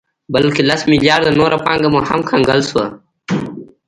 بلکې لس مليارده نوره پانګه مو هم کنګل شوه